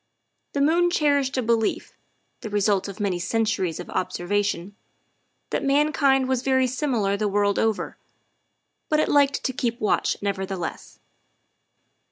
The moon cherished a belief, the result of many centuries of observation, that mankind was very similar the world over, but it liked to keep watch, nevertheless.